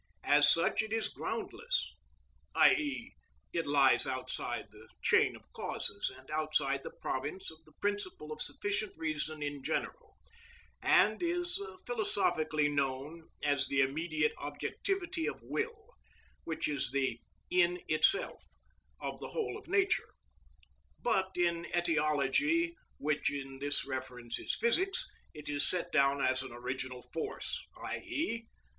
As such, it is groundless, i.e., it lies outside the chain of causes and outside the province of the principle of sufficient reason in general, and is philosophically known as the immediate objectivity of will, which is the "in itself" of the whole of nature; but in etiology, which in this reference is physics, it is set down as an original force, _i.e.